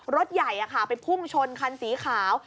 รถใหญ่ไปพุ่งชนคันสีขาว